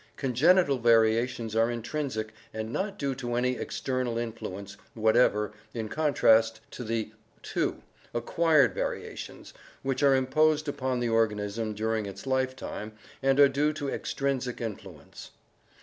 Con genital variations are intrinsic and not due to any external influence whatever, in contrast to the (2) Acquired variations, which are imposed upon the organism during its lifetime and are due to extrinsic influence.